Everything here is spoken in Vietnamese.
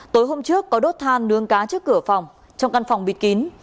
tối hôm trước có đốt than nướng cá trước cửa phòng trong căn phòng bịt kín